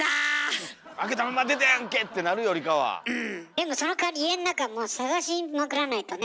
でもそのかわり家の中もう探しまくらないとね。